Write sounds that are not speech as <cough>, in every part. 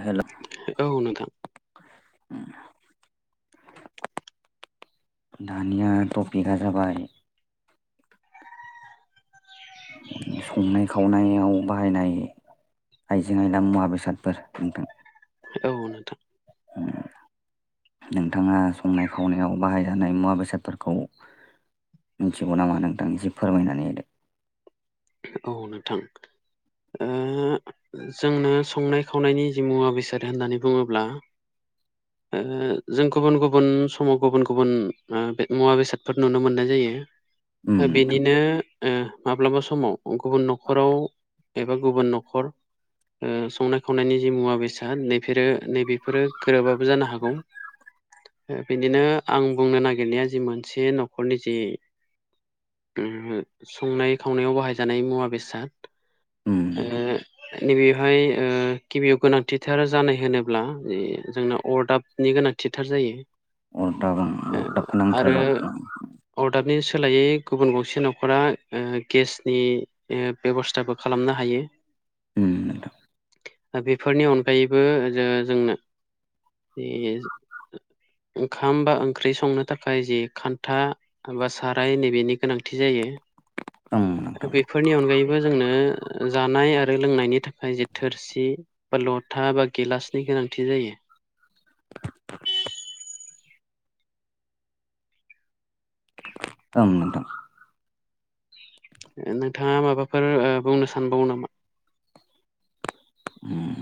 हेल' औ नोंथां। <inaudible> दानिया टपिकआ जाबाय संनाय खावनायाव बाहायनाय आइजें आयला मुवा बेसादफोर नोंथां औ नोंथां। नोंथाङा संनाय खावनायाव बाहायजानाय मुवा बेसादफोरखौ मिन्थिगौ नामा नोंथां एसे फोरमायनानै होदो औ नोंथां। ओ जोंनो संनाय खावनायनि जि मुवा बेसाद होननानै बुङोब्ला <inaudible> जों गुबुन गुबुन समाव गुबुन गुबुन मुवा बेसादफोर नुनो मोननाय जायो। होदो बेनिनो माब्लाबा समाव गुबुन न'खराव एबा गुबुन न'खर संनाय खावनायनि जि मुवा बेसाद नैफोरो नैबेफोरो गोरोबाबो जानो हागौ। बिदिनो आं बुंनो नागिरनाया जि मोनसे न'खरनि जि संनाय खावनायाव बाहायजानाय मुवा बेसाद उम नोंथां उम नोंथां नैबेयावहाय गिबियाव गोनांथिथार जानाय होनोब्ला जोंना अरदाब नि गोनांथिथार जायो। अरदाब ओं ओ अरदाब आरो नांथारावगौ उम अरदाबनि सोलायै गुबुन गंसे न'खरा गेसनि बेब'स्थाबो खालामनो हायो। उम नोंथां। बेफोरनि अनगायैबो जोंनो बे ओंखाम बा ओंख्रि संनो थाखाय जि खान्था साराय नै बेनि गोनांथि जायो। ओं नोंथां आरो बेफोरनि अनगायैबो जोंनो जानाय आर रो लोंनायनि थाखाय जे थोरसि बा लथा बा गिलासनि गोनांथि जायो। ओम नोंथां। नोंथाङा माबाफोर बुंनो सानबावो नामा? उम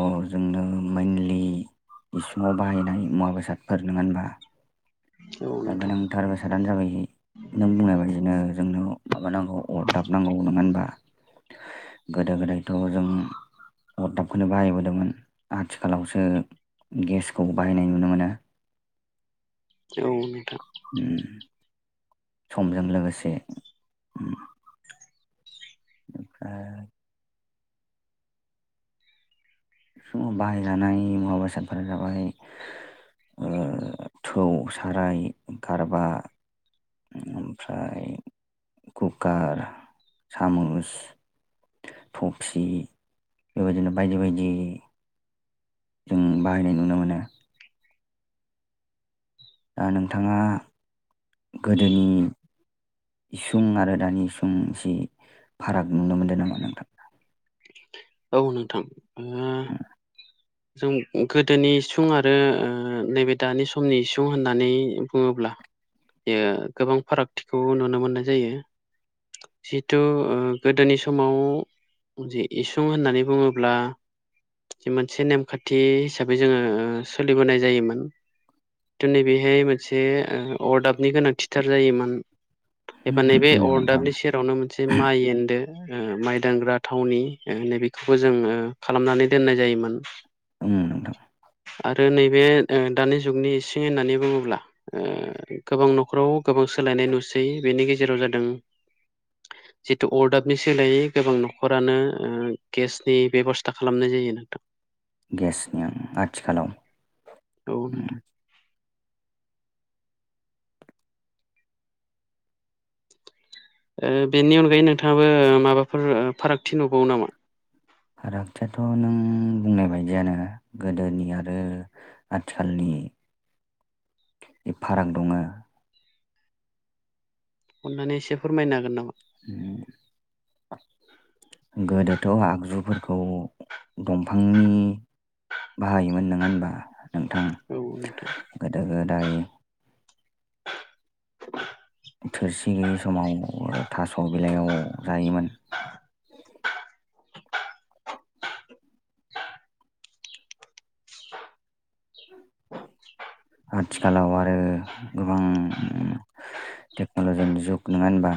अ जोंनो मेनलि इसिङाव बाहायनाय मुवा बेसादफोर नोङा होनबा? औ नोंथां गोनांथार बेसादानो जाबाय नों बुंनाय बादिनो जोंनो माबा नांगौ अरदाब नांगौ नङा होनबा? गोदो गोदायथ' जों अरदाबखोनो बाहायोमोन। मोन आथिखालावसो गेसखौ बाहायनाय नुनो मोनो। औ नोंथां। उम समजों लोगोसे उम ओ समाव बाहायजानाय मुवा बेसादफोरा जाबाय ओ थौ, साराय, गारबा ओमफ्राय कुकार, सामुस थफसि, बेबायदिनो बायदि बायदि जों बाहायनाय नुनो मोनो। नोंथाङा गोदोनि सुं आरो दानि सम जि फाराग नुनो मोनदों नामा नोंथां? औ नोंथां <unintelligible> <unintelligible> जों गोदोनि सुं आरो नैबे दानि समनि इसुं होननानै बुङोब्ला बेयो गोबां फारागथिखौ नुनो मोननाय जायो। जिथु गोदोनि समाव जे इसु फुं होननानै बुङोब्ला जि मोनसे नेमखान्थि हिसाबै जोङो सोलिबोनाय जायोमोन। थु नै बेहाय मोनसे अरदाबनि गोनांथिथार जायोमोन। एबा नैबे नोंथां अरदाबनि सेरावनो मोनसे माइ एनदो ओ माइ दांग्रा थावनि ओ नैबेखौबो जों खालामनानै दोननाय जायोमोन। उम नोंथां। आरो नैबे दानि जुगनि इसिं होननानै बुङोब्ला ओ गोबां न'खराव गोबां सोलायनाय नुसै, बेनि गेजेराव जादों <unintelligible> जिथु अरदाबनि सोलायै गोबां न'खरानो ओ गेसनि बेब'स्था खालामनाय जायो नोंथां। गेसनि ओं आथिखालाव औ उम नोंथां। ओ बेनि अनगायै नोंथाङाबो माबाफोर फारागथि नुबावो नामा? फारागथियाथ' नों बुंनाय बायदियानो गोदोनि आरो आथिखालनि बे फाराग दङो। अननानै एसे फोरमायनो हागोन नामा? हम गोदोथ' आगजुफोरखौ दंफांनि बाहायोमोन नङा होनबा नोंथां? औ नोंथां। गोदो गोदाय थोरसि गैयि समाव थास' बिलाइयाव जायोमोन। आथिखालाव आरो गोबां टेक्न'लजिनि जुग नङा होनबा?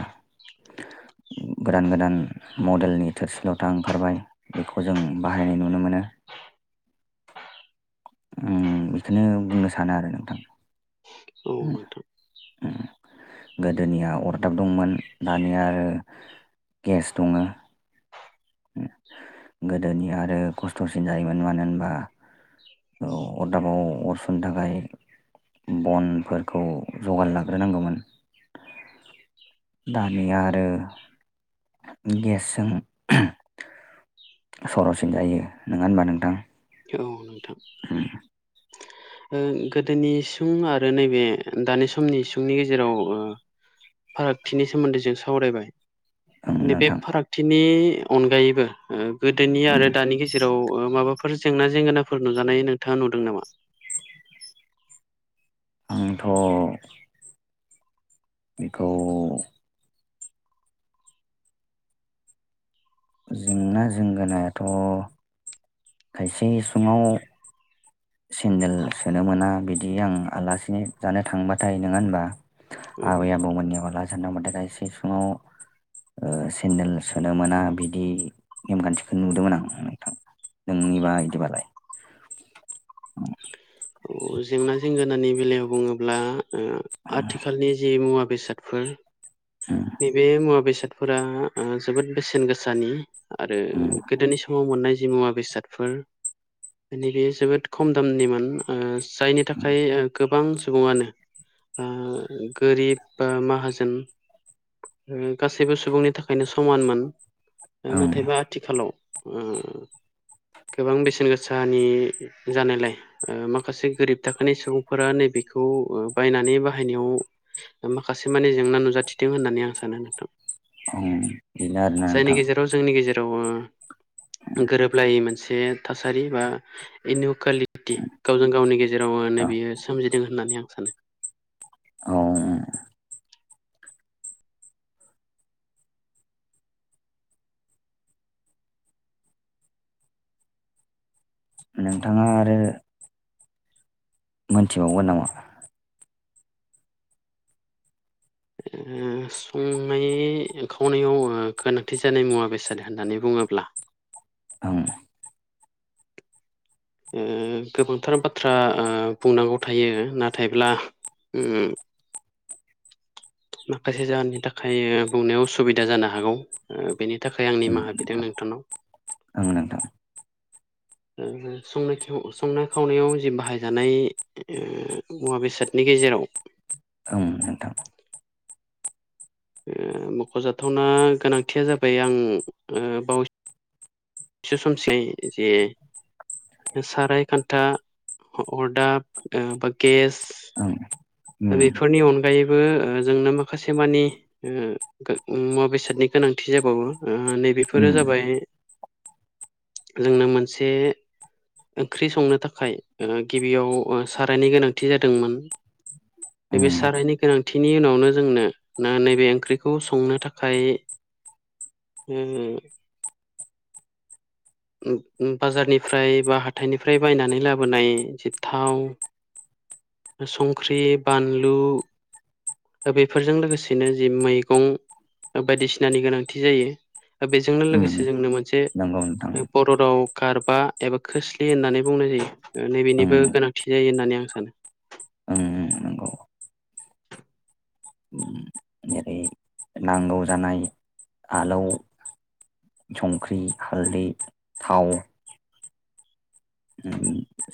गोदान गोदान मडेलनि थोरसि लथा ओंखारबाय। बेखौ जों बाहायनाय नुनो मोनो। उम बेखौनो बुंनो सानो आरो नोंथां औ उम नोंथां उम गोदोनिया अरदाब दंमोन, दानिया गेस दङो। गोदोनि आरो खस्थ'सिन जायोमोन मानो होनबा औ अरदाबाव अरसुनो थाखाय बनफोरखौ जगार लाग्रोनांगौमोन। दानिया आरो गेसजों सर'सिन जायो नङा होनबा नोंथां? औ नोंथां। ओ गोदोनि इसुं आरो नैबे दानि समनि इसुंनि गेजेराव ओ फारागथिनि सोमोन्दै जों सावरायबाय। ओं नैबे नोंथां फारागथिनि अनगायैबो गोदोनि उम आरो दानि गेज जेराव माबाफोर जेंना जेंगोनाफोर नुजानाय नोंथाङा नुदों नामा? आंथ' बेखौ जेंना जेंगोनायाथ' खायसे इसिंआव सेन्देल सोनो मोना बिदि आं आलासि जानो थांबाथाय नङा होनबा? औ आबै आबौ मोननियाव आलासि जानो थांबाथाय खायसे सिङाव ओ सेन्देल सोनो मोना बिदि नेमखान्थिखौ नुदोंमोन आं नोंथां। नोंनि बादिबालाय? औ। अ जेंना जेंगोनानि बेलायाव बुङोब्ला ओ आथिखालनि जि मुवा बेसाद फोर उम नैबे मुवा बेसादफोरा ओ जोबोद बेसेन गोसानि। आरो उम गोदोनि स माव मोननाय जि मुवा बेसादफोर मानि बे जोबोद खम दामनिमोन ओ जायनि थाखाय ओ गोबां सुबुङानो ओ गोरिब बा माहाजोन ओ गासैबो सुबुंनि थाखायनो समानमोन ओं नाथायबा थिखालाव ओ गोबां बेसेन गोसानि जानायलाय ओ मा खासे गोरिब थाखोनि सुबुंफोरा नैबेखौ ओ बायनानै बाहायनायाव माखासे माने जेंना नुजाथिदों होननानै आं सानो नोंथां। ओं बिनो आरोना नोंथां। त' जोंनि गेजेराव ओ गोरोबलायै मोनसे थासारि बा इनक्वालिपटि गावजों गावनि गेजेराव ओ नै औ बियो सोमजिदों होननानै आं सानो। औ ओं। नोंथाङा आरो मोनथिबावगोन नामा? ओम। संनाय खावनायाव ओ गोनांथि जानाय मुवा बेसाद होननानै बुङोब्ला ओं। ओ गोबांथार बाथ्रा ओ बुंनांगौ थायो नाथायब्ला उम माखासे जाहोननि थाखाय बुंनायाव उसुबिदा जानो हागौ। ओ बेनि थाखाय आं ओं निमाहा बिदों नोंथां नोंथांनाव। ओं नोंथां। ओ संनाय खियाव संनाय खावनायाव जि बाहायजानाय ओ मुवा बेसादनि गेजेराव ओं नोंथां। ओ मख'जाथावना गोनांथिया जाबाय आं ओ बावै सो समसै जे साराय खान्था अरदाब ओ बा गेस ओं उम बेफोरनि अनगायैबो ओ जोंनो माखासे मानि ओ गो मुवा बेसादनि गोनांथि जाबावो। ओ‌ नैबेफोरो उम जाबाय जोंनो मोनसे ओंख्रि संनो थाखाय ओ गिबियाव ओ सारायनि गोनांथि जादोंमोन। नैबे उम सारायनि गोनांथिनि उनावनो जोंनो ना नैबे ओंख्रिखौ संनो थाखाय ओ उम उम बाजारनिफ्राय बा हाथाइनिफ्राय बायनानै लाबोनाय जि थाव संख्रि, बानलु। दा बेफोरजों लोगोसेनो जि मैगं बायदिसिनानि गोनांथि जायो। बेजोंनो लोगोसे जोंनो मोनसे नोंगौ। बर' राव गारबा एबा खोस्लि होननानै बुंनाय जायो नैबेनिबो ओं गोनांथि जायो होननानै आं सानो। ओं ओं नंगौ। जेरै नांगौ जानाय आलौ संख्रै हालदै थाव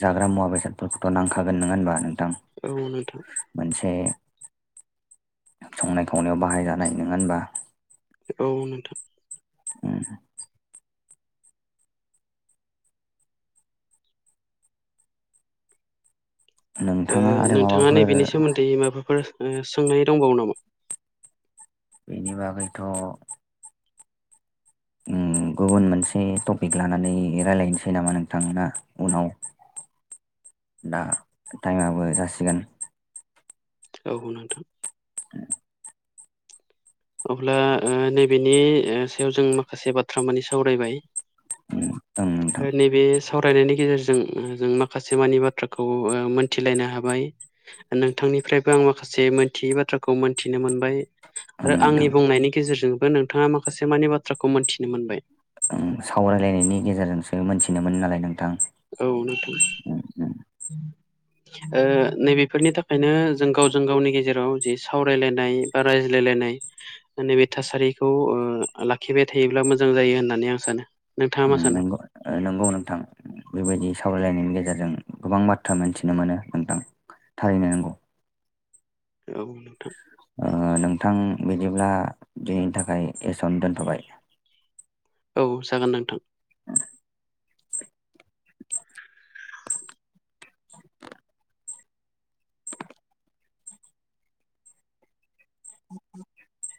जाग्रा मुवा बेसादफोरखौथ' नांखागोन नोङा होनबा नोंथां? औ नोंथां। मोनसे संनाय खावनायाव बाहायजानाय नङा होनबा? औ नोंथां। ओ नोंथाङा आरो नोंथाङा माबाफोर नैबेनि सोमोन्दै माबाफोर सोंनाय दंबावो नामा? बेनि बागैथ' उम गुबुन मोनसे टपिक लानानै रायज्लायनोसै नामा नोंथां ना उनाव। दा टाइमाबो जासिगोन। औ नोंथां। उम। अब्ला ओ नैबेनि ओ सायाव जों माखासे बाथ्रा मानि सावरायबाय। ओं नोंथां ओ नैबे सावरायनायनि गेजेरजों जों माखासे मानि बाथ्राखौ ओ मोनथिलायनो हाबाय। नोंथांनिफ्रायबो आं माखासे मोनथियै बाथ्राखौ मोनथिनो मोनबाय। ओं आरो आंनि नोंथां बुंनायनि गेजेरजोंबो नोंथाङा माखासे मानि बाथ्राखौ मोनथिनो मोनबाय। सावरायलायनायनि गेजेरजोंसो मोनथिनो मोनो नालाय नोंथां। औ नोंथां। <inaudible> ओ नै बेफोरनि थाखायनो जों गावजों गावनि गेजेराव जि सावरायलायनाय बा रायज्लायलायनाय नैबे थासारिखौ ओ लाखिबाय थायोब्ला मोजां जायो होननानै आं सानो। नोंथाङा मा सानो नोंगौ। ओ नंगौ नोंथां बेबायदि सावरायलायनायनि गेजेरजों गोबां बाथ्रा मोनथिनो मोनो नोंथां। थारैनै नंगौ। औ नोंथां। ओ नोंथां बिदिब्ला दिनैनि थाखाय एसेयावनो दोनथ'बाय। औ जागोन नोंथां। <inaudible> <inaudible>